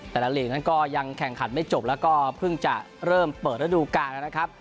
หลีกนั้นก็ยังแข่งขันไม่จบแล้วก็เพิ่งจะเริ่มเปิดระดูการนะครับ